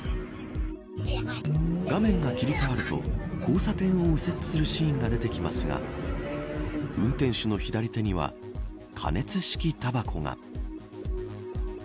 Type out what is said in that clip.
画面が切り替わると交差点を右折するシーンが出てきますが運転手の左手には加熱式たばこが。